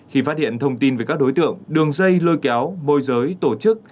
khi phát hiện thông tin về các đối tượng đường dây lôi kéo môi giới tổ chức